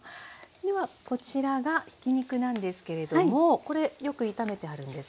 ではこちらがひき肉なんですけれどもこれよく炒めてあるんですが。